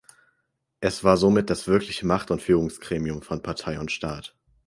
Es war somit das wirkliche Macht- und Führungsgremium von Partei und Staat.